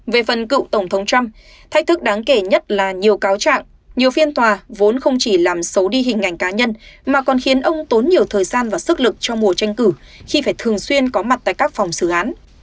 về phần cựu tổng thống trump thách thức đáng kể nhất là nhiều cáo trạng nhiều phiên tòa vốn không chỉ làm xấu đi hình ảnh cá nhân mà còn khiến ông tốn nhiều thời gian và sức lực cho mùa tranh cử khi phải thường xuyên có mặt tại các phòng xử án